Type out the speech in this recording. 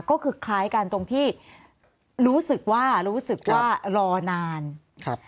ก็คือคล้ายกันตรงที่รู้สึกว่ารู้สึกว่ารอนานครับ